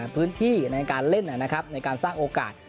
พื้นที่ในการเล่นในการสร้างโอกาส